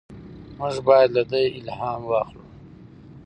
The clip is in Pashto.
موږ باید له ده الهام واخلو.